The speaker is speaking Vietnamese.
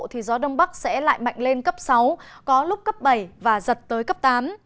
thì gió đông bắc sẽ lại mạnh lên cấp sáu có lúc cấp bảy và giật tới cấp tám